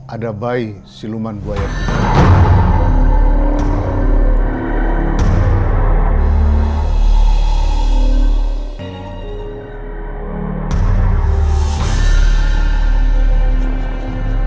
ada bayi siluman buaya